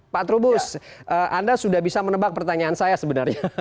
pak trubus anda sudah bisa menebak pertanyaan saya sebenarnya